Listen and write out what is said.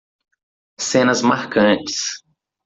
Cenas marcantes.